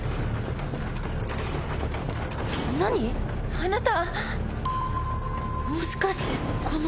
何⁉あなた！